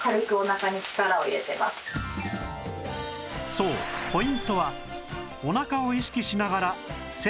そうポイントは